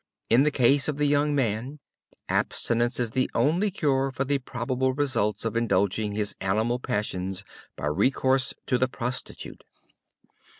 In the case of the young man, abstention is the only cure for the probable results of indulging his animal passions by recourse to the prostitute.